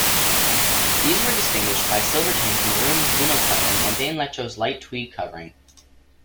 These were distinguished by Silvertone's maroon vinyl covering, and Danelectro's light tweed covering.